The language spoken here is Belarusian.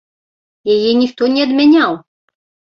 Яе ніхто не адмяняў!